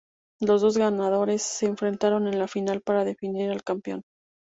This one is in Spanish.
Los dos ganadores se enfrentaron en la final para definir al campeón.